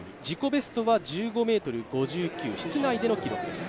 ベストは１５ｍ５９、室内での記録です。